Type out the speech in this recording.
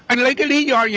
anh lấy cái lý do gì